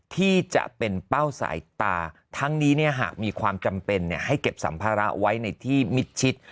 ที่จะเป็นเป้าสายตาทั้งนี้หากมีความจำเป็นให้เก็บสัมภาระไว้ในที่มิดชิด